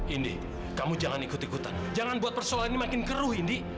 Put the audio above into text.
ini kamu jangan ikut ikutan jangan buat persoalan ini makin keruh ini